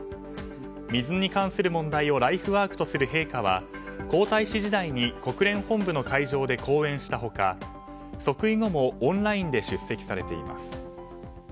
水に関する問題をライフワークとする陛下は皇太子時代に国連本部の会場で講演した他即位後もオンラインで出席されています。